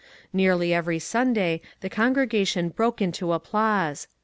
Nearly every Sunday the con gregation broke into applause.